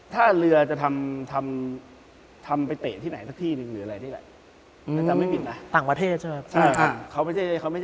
ซึ่งแล้วมันไม่ได้ทำกีฬามาก่อน